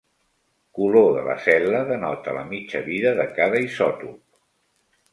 Color de la cel·la denota la mitja vida de cada isòtop.